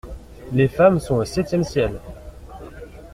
Les femmes sont au septième ciel.